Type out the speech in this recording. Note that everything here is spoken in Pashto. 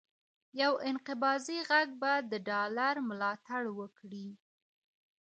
یو انقباضي غږ به د ډالر ملاتړ وکړي،